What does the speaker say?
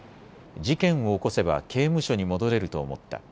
事件を起こせば刑務所に戻れると思った。